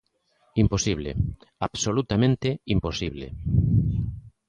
Imposible, absolutamente imposible.